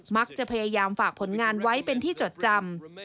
มักจะพยายามฝากผลงานไว้เป็นที่จดจำ